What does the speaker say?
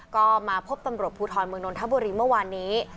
ก็มาพบตำรวจภูทรเมืองนนทบุรีเมื่อวานนี้